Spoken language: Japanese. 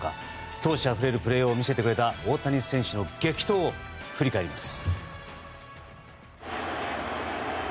闘志あふれるプレーを見せてくれた大谷選手の激闘を振り返ります。